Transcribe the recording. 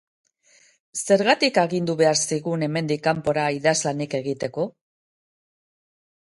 Zergatik agindu behar zigun hemendik kanpora idazlanik egiteko?